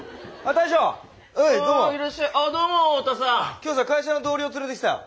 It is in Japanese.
今日さ会社の同僚連れてきたよ。